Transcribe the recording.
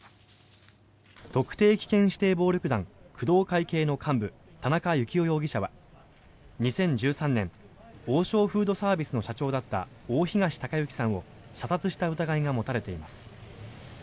特定危険指定暴力団工藤会系の幹部、田中幸雄容疑者は２０１３年王将フードサービスの社長だった大東隆行さんを射殺した疑いが持たれています。